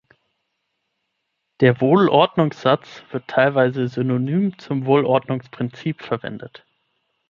Der Wohlordnungssatz wird teilweise synonym zum Wohlordnungsprinzip verwendet.